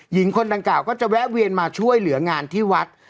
หญิงคนดังกล่าก็จะแวะเวียนมาช่วยเหลืองานที่วัด